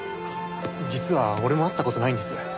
実は俺も会った事ないんです。